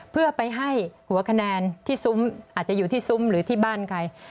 เพื่อไปให้หัวคะแนนที่ซุ้มอาจจะอยู่ที่ซุ้มหรือที่บ้านใคร